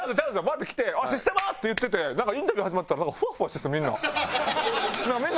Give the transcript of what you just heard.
バッて来て「システマ！」って言っててインタビュー始まったらフワフワしてるんですよ